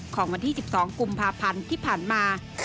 ของวันที่๑๒กุมภาพันธ์ที่ผ่านมา